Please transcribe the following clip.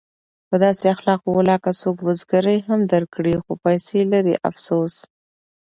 په داسې اخلاقو ولاکه څوک بزګري هم درکړي خو پیسې لري افسوس!